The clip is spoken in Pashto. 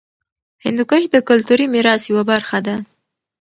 هندوکش د کلتوري میراث یوه برخه ده.